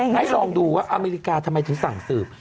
ให้ลองดูว่าอเมริกาทำไมถึงสั่งสืบ